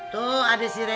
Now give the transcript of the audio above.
tuh ada si rere